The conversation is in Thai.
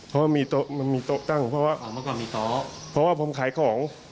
เพราะมีโต๊ะก็มีโต๊ะก็ต้องเพราะว่าผมขายของ